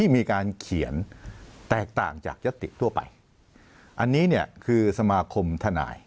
มีการเขียนแตกต่างจากยัตติทั่วไปอันนี้เนี่ยคือสมาคมทนาย